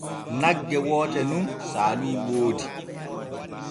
Nagge woote nun saalu woodi.